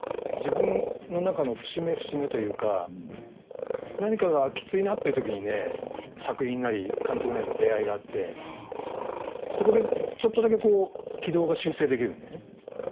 自分のなかの節目節目というか何かがキツいなっていうときに作品なり監督と出会いがあってそこでちょっとだけ軌道が修正できるんだよね。